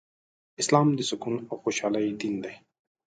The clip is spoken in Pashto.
اسلام د سکون او خوشحالۍ دين دی